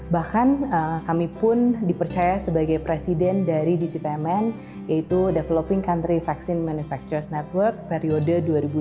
bahkan kami pun dipercaya sebagai presiden dari dcpmn yaitu developing country vaccine manufacturers network periode dua ribu dua puluh tiga dua ribu dua puluh lima